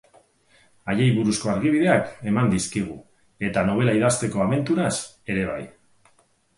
Haiei buruzko argibideak eman dizkigu, eta nobela idazteko abenturaz ere bai.